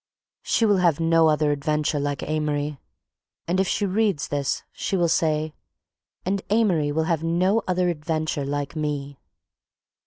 She will have no other adventure like Amory, and if she reads this she will say: "And Amory will have no other adventure like me."